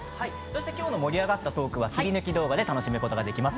今日の盛り上がったトークは切り抜き動画で楽しむことができます。